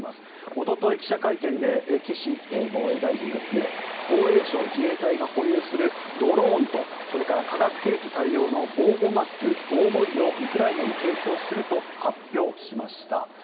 おととい、記者会見で岸防衛大臣が防衛省・自衛隊が保有するドローンとそれから化学兵器対応の防護マスク、防護衣をウクライナに提供すると発表しました。